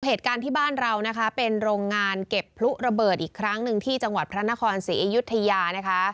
เหตุการณ์ที่บ้านเรานะคะเป็นโรงงานเก็บพลุระเบิดอีกครั้งหนึ่งที่จังหวัดพระนครศรีอยุธยานะคะ